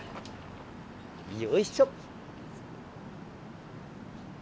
よいしょ！